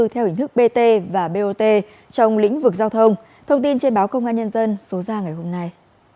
theo hình thức bt và bot trong lĩnh vực giao thông thông tin trên báo công an nhân dân số ra ngày hôm nay